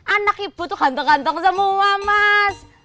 anak ibu tuh ganteng ganteng semua mas